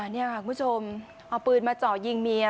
นี่ค่ะคุณผู้ชมเอาปืนมาเจาะยิงเมีย